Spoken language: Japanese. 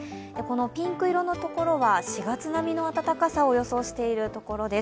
ピンク色のところは４月並みの暖かさを予想しているところです。